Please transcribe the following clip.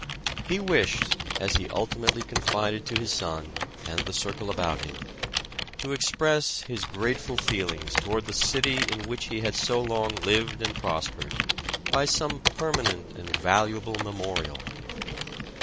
He wished, as he ultimately con fided to his son and the circle about him, to express his grateful feelings toward the city in which he had so long lived and prospered, by some permanent and valuable memorial.